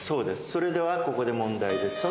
それではここで問題です。